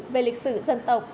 về lịch sử dân tộc